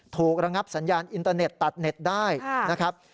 ระงับสัญญาณอินเตอร์เน็ตตัดเน็ตได้นะครับ